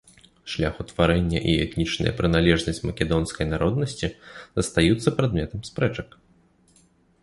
Шлях утварэння і этнічная прыналежнасць македонскай народнасці застаюцца прадметам спрэчак.